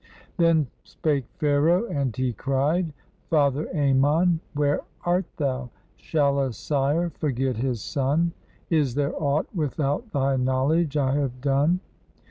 Then spake Pharaoh, and he cried: "Father Ammon, where art thou? Shall a sire forget his son? Is there aught without thy knowledge I have done?